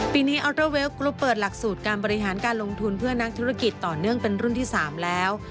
ปีนี้ออเตอร์เวลกรุ๊ปเปิดหลักสูตรการบริหารการลงทุนเพื่อนักธุรกิจต่อเนื่องเป็นรุ่นที่๓แล้ว